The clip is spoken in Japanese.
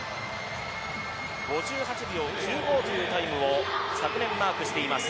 ５８秒９５というタイムを昨年マークしています。